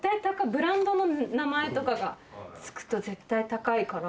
ブランドの名前とかつくと絶対高いから。